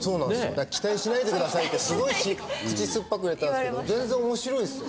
だから「期待しないでください」ってすごい口酸っぱく言われたんですけど全然面白いですよ。